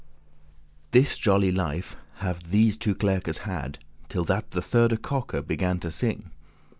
This jolly life have these two clerkes had, Till that the thirde cock began to sing.